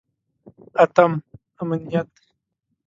اتم: امنیت.